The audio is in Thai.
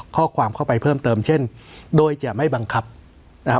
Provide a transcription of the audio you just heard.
ข้อความเข้าไปเพิ่มเติมเช่นโดยจะไม่บังคับนะฮะ